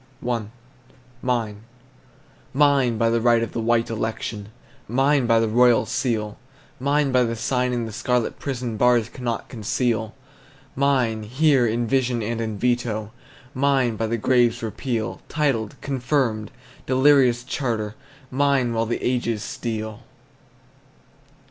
I. MINE. Mine by the right of the white election! Mine by the royal seal! Mine by the sign in the scarlet prison Bars cannot conceal! Mine, here in vision and in veto! Mine, by the grave's repeal Titled, confirmed, delirious charter! Mine, while the ages steal!